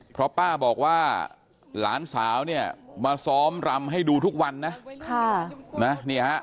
เพราะป้าบอกว่าหลานสาวเนี่ยมาซ้อมรำให้ดูทุกวันนะ